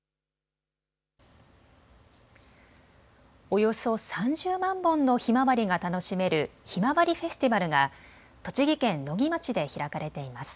およそ３０万本のひまわりが楽しめるひまわりフェスティバルが栃木県野木町で開かれています。